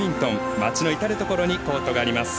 町の至るところにコートがあります。